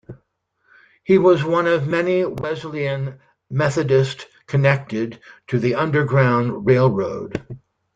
He was one of many Wesleyan Methodist connected to the Underground Railroad.